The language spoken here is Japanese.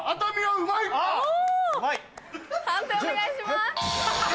判定お願いします。